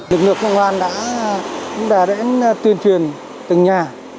lực lượng công an đã tuyên truyền từng nhà